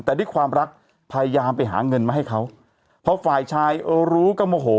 แต่ที่ความรักพยายามไปหาเงินมาให้เขาเพราะฝ่ายชายเอ่อรู้กระโมโห